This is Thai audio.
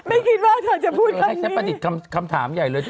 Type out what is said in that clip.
ไม่คิดว่าเธอจะพูดคันนี้ให้ฉันประสิทธย์คำถามใหญ่เลย